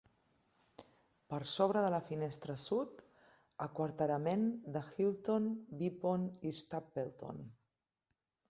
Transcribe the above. Per sobre de la finestra sud: aquarterament de Hylton, Vipont i Stapleton.